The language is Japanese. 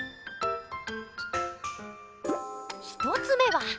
１つ目は。